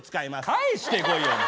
返してこいよお前。